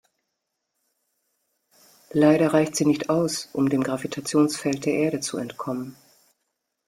Leider reicht sie nicht aus, um dem Gravitationsfeld der Erde zu entkommen.